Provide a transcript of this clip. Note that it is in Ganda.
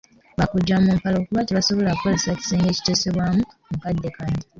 Bakujja mu mpalo kuba tebasobola kukozesa kisenge kiteseebwamu akadde kano